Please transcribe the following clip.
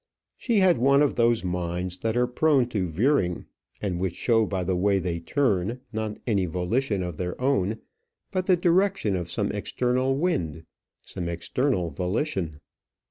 She had one of those minds that are prone to veering, and which show by the way they turn, not any volition of their own, but the direction of some external wind, some external volition.